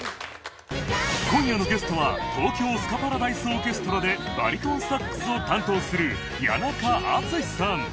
今夜のゲストは東京スカパラダイスオーケストラでバリトンサックスを担当する谷中敦さん